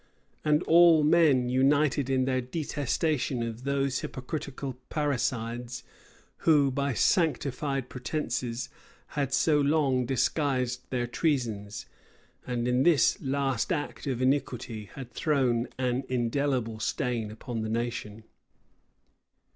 And all men united in their detestation of those hypocritical parricides, who, by sanctified pretences, had so long disguised their treasons, and in this last act of iniquity had thrown an indelible stain upon the nation.